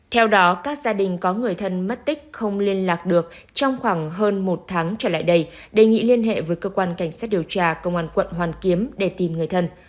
theo đó các gia đình có người thân mất tích không liên lạc được trong khoảng hơn một tháng trở lại đây đề nghị liên hệ với cơ quan cảnh sát điều tra công an quận hoàn kiếm để tìm người thân